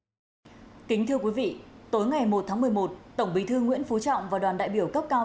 kính thưa quý vị tối ngày một tháng một mươi một tổng bí thư nguyễn phú trọng và đoàn đại biểu cấp cao